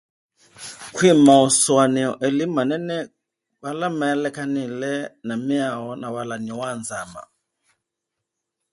There are two main theories regarding the rules and board layout.